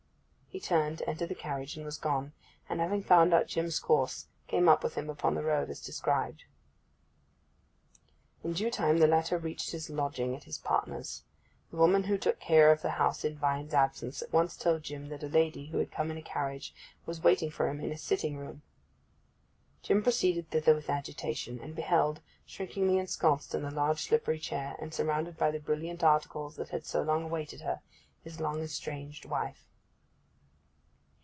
He turned, entered the carriage, and was gone; and having found out Jim's course, came up with him upon the road as described. In due time the latter reached his lodging at his partner's. The woman who took care of the house in Vine's absence at once told Jim that a lady who had come in a carriage was waiting for him in his sitting room. Jim proceeded thither with agitation, and beheld, shrinkingly ensconced in the large slippery chair, and surrounded by the brilliant articles that had so long awaited her, his long estranged wife.